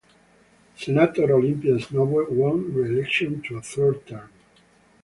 Senator Olympia Snowe won re-election to a third term.